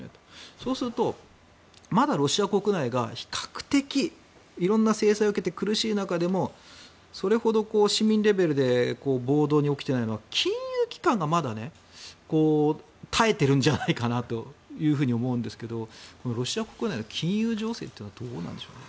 そうするとまだロシア国内は比較的いろんな制裁を受けて苦しい中でもそれほど市民レベルで暴動が起きていないのは金融機関がまだ耐えているんじゃないかなというふうに思うんですけどロシア国内の金融情勢はどうなんでしょうか？